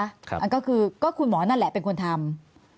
อันก็คือก็คุณหมอนั่นแหละเป็นคนทำ